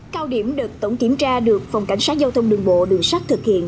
cao điểm đợt tổng kiểm tra được phòng cảnh sát giao thông đường bộ đường sát thực hiện